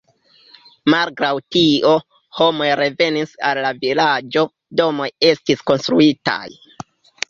Malgraŭ tio, homoj revenis al la vilaĝo, domoj estis konstruitaj.